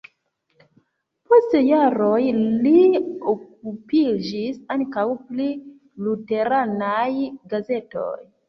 Post jaroj li okupiĝis ankaŭ pri luteranaj gazetoj.